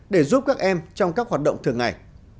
để giúp các em trong các hoạt động thường ngày